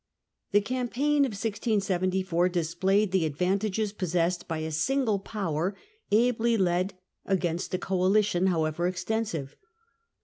The campaign of 1674 displayed the advantages pos sessed by a single power ably led against a coalition, however extensive.